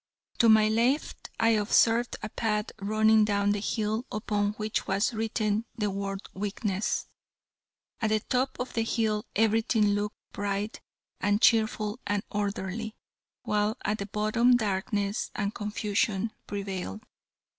To my left I observed a path running down the hill upon which was written the word weakness. At the top of the hill everything looked bright and cheerful and orderly, while at the bottom darkness and confusion prevailed.